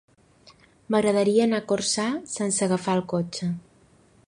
M'agradaria anar a Corçà sense agafar el cotxe.